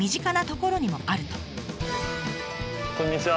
こんにちは。